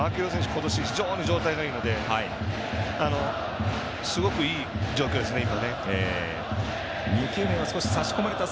今年、非常に状態がいいのですごくいい状況ですね、今。